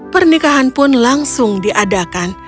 pernikahan pun langsung diadakan